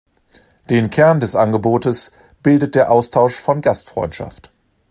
Den Kern des Angebotes bildet der Austausch von Gastfreundschaft.